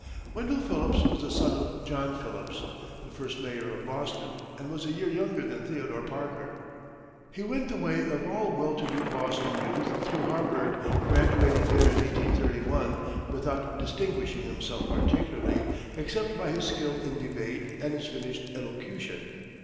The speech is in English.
Wendell Phillips was the son of John Phillips, the first mayor of Boston, and was a year younger than Theodore Parker. He went the way of all well to do Boston youth through Harvard, graduating there in 1831, without distinguishing himself particularly, except by his skill in debate and his finished elocution.